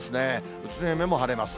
宇都宮も晴れます。